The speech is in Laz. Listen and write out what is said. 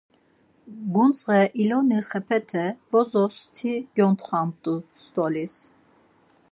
Gundze iloni xepete, bozos ti gyuntxamtu stolis.